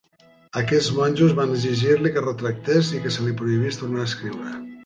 Aquests monjos van exigir-li que es retractés i que se li prohibís tornar a escriure.